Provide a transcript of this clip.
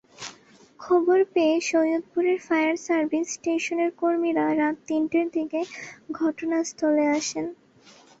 খবর পেয়ে সৈয়দপুরের fire service স্টেশনের কর্মীরা রাত তিনটার দিকে ঘটনাস্থলে আসেন।